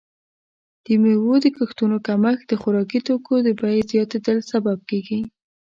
د میوو د کښتونو کمښت د خوراکي توکو د بیې زیاتیدل سبب کیږي.